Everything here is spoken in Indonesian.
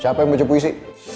siapa yang baca puisi